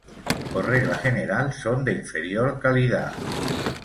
Por regla general son de inferior calidad.